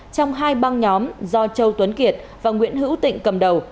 trong hai băng nhóm do châu tuấn kiệt và nguyễn hữu tịnh cầm đầu